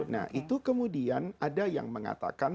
nah itu kemudian ada yang mengatakan